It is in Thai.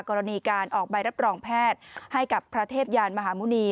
กรณีการออกใบรับรองแพทย์ให้กับพระเทพยานมหาหมุณี